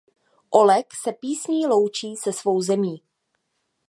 Oleg se písní loučí se svou zemí.